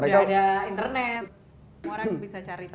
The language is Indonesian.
ya udah ada internet orang bisa cari tau